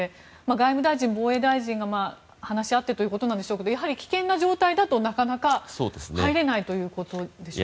外務大臣、防衛大臣が話し合ってということでしょうがやはり危険な状態だと、なかなか入れないということでしょうか。